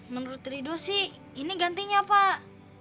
menurut ridho sih ini gantinya pak